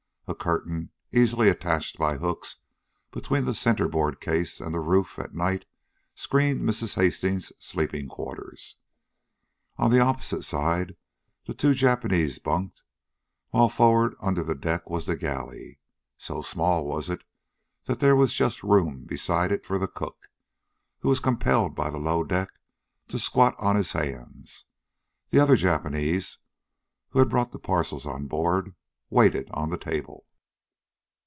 A curtain, easily attached by hooks between the centerboard case and the roof, at night screened Mrs. Hastings' sleeping quarters. On the opposite side the two Japanese bunked, while for'ard, under the deck, was the galley. So small was it that there was just room beside it for the cook, who was compelled by the low deck to squat on his hands. The other Japanese, who had brought the parcels on board, waited on the table.